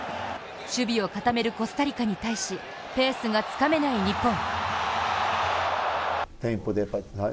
守備を固めるコスタリカに対しペースがつかめない日本。